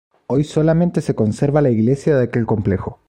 Hoy solamente se conserva la iglesia de aquel complejo.